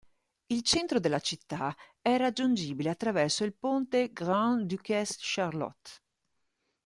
Il centro della città è raggiungibile attraverso il ponte "Grande-Duchesse Charlotte".